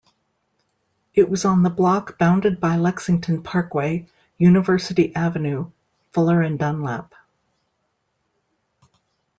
It was on the block bounded by Lexington Parkway, University Avenue, Fuller and Dunlap.